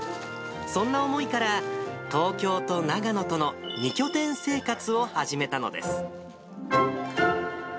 そんな思いから、東京と長野との２拠点生活を始めたのです。